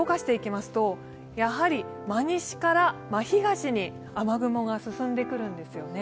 真西から真東に雨雲が進んでくるんですよね。